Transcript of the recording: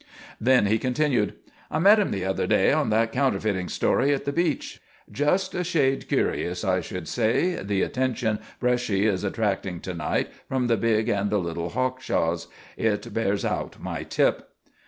Then he continued, "I met him the other day on that counterfeiting story at the beach. Just a shade curious, I should say, the attention Bresci is attracting to night from the big and the little hawkshaws. It bears out my 'tip.